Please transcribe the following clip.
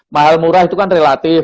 mahal murah itu kan relatif